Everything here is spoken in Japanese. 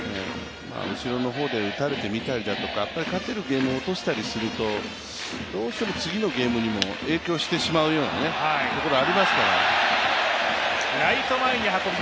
後ろの方で打たれてみたりだとか勝てるゲームを落としたりすると、どうしても次のゲームにも影響してしまうようなところがありますから。